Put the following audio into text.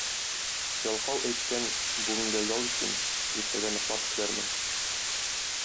Ялкау әйткән: бүгенгә ял итим, иртәгә ныклап эшләрмен.